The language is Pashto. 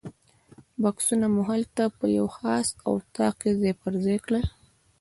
بکسونه مو هلته په یوه خاص اتاق کې ځای پر ځای کړل.